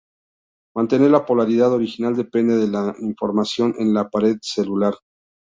Mantener la polaridad original depende de información en la pared celular.